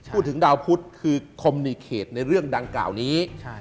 พูดถึงดาวพุทธคือคอมมิเคตในเรื่องดังกล่าวนี้